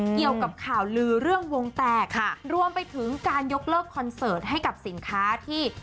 เกี่ยวกับข่าวลือเรื่องวงแตกรวมไปถึงการยกเลิกคอนเสิร์ตให้กับสินค้าที่